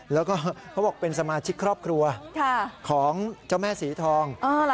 แล้วก็เขาบอกเป็นสมาชิกครอบครัวของเจ้าแม่สีทอง